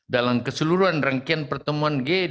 dalam keseluruhan rangkaian pengembangan